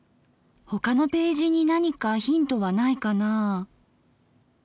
他のページに何かヒントはないかなあ。